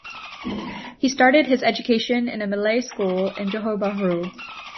He started his education in a Malay school in Johor Bahru.